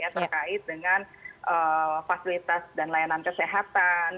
terkait dengan fasilitas dan layanan kesehatan